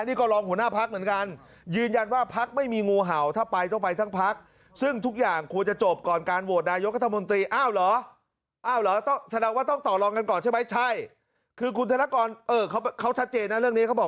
นี่ก็ลองหัวหน้าภักรณ์เหมือนกัน